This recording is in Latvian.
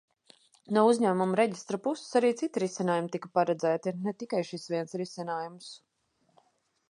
No Uzņēmumu reģistra puses arī citi risinājumi tika paredzēti, ne tikai šis viens risinājums.